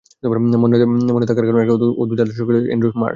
মনে থাকার কারণ, একটা অদ্ভুত কাজ করিয়েছেন তাকে দিয়ে অ্যান্ড্রু মার্শ।